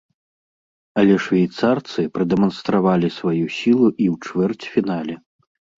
Але швейцарцы прадэманстравалі сваю сілу і ў чвэрцьфінале.